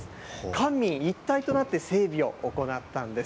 官民一体となって整備を行ったんです。